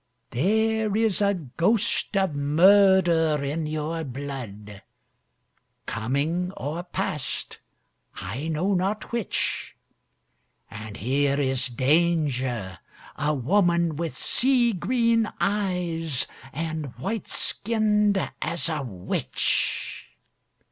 'There is a ghost of murder in your blood Coming or past, I know not which. And here is danger a woman with sea green eyes, And white skinned as a witch